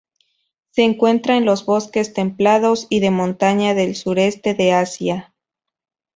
Se encuentra en los bosques templados y de montaña del sureste de Asia.